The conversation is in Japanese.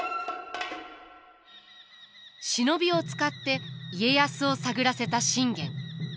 忍びを使って家康を探らせた信玄。